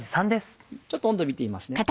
ちょっと温度見てみますね。